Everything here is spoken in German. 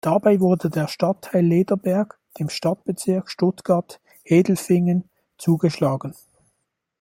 Dabei wurde der Stadtteil Lederberg dem Stadtbezirk Stuttgart-Hedelfingen zugeschlagen.